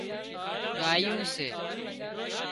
ڳايُون سي